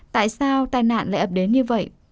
tại sao tai nạn lại ập đến như vậy